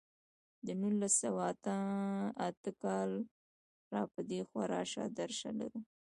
له نولس سوه اته اته کال را په دېخوا راشه درشه لرو.